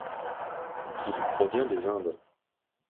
Il provient des Indes.